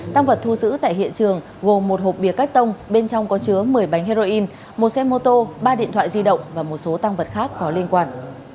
tăng vật thu giữ tại hiện trường gồm một hộp bia cách tông bên trong có chứa một mươi bánh heroin một xe mô tô ba điện thoại di động và một số tăng vật khác có liên quan